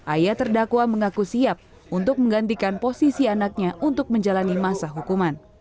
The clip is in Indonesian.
ayah terdakwa mengaku siap untuk menggantikan posisi anaknya untuk menjalani masa hukuman